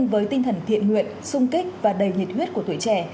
với tinh thần thiện nguyện sung kích và đầy nhiệt huyết của tuổi trẻ